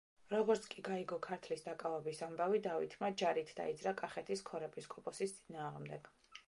როგორც კი გაიგო ქართლის დაკავების ამბავი დავითმა, ჯარით დაიძრა კახეთის ქორეპისკოპოსის წინააღმდეგ.